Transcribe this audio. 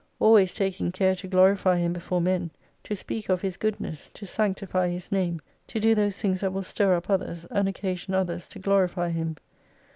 Always taking care to glorify Him before men : to speak of His goodness, to sanctify His name, to do those things that will stir up others, and occasion others to glorify Him.